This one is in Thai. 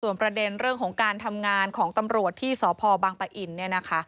ส่วนประเด็นเรื่องของการทำงานของตำรวจที่สภบังปะอิ่น